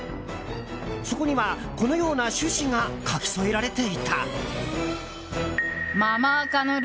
そこには、このような趣旨が書き添えられていた。